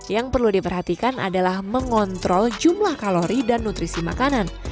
yang perlu diperhatikan adalah mengontrol jumlah kalori dan nutrisi makanan